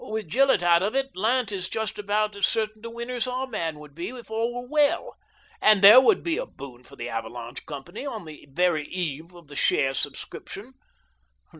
With Gillett out of it Lant is just about as certain a winner as our man would be if all were well. And there would be a boom for the ' Avalanche ' company, on the very eve of the share sub scription